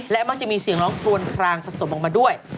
และมักจะมีเสียงร้องคลวนคลางผสมออกมาด้วย